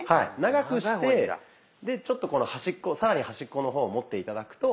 長くしてちょっとこの端っこ更に端っこの方を持って頂くと。